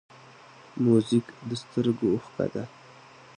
موزیک د سترګو اوښکه ده.